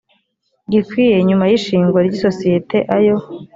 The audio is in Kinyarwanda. gikwiye nyuma y ishingwa ry isosiyete ayo